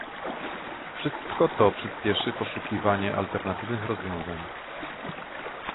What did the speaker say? Wszystko to przyspieszy poszukiwanie alternatywnych rozwiązań